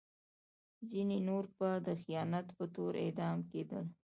ځینې نور به د خیانت په تور اعدام کېدل.